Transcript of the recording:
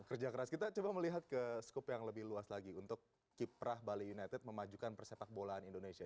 kerja keras kita coba melihat ke skup yang lebih luas lagi untuk kiprah bali united memajukan persepak bolaan indonesia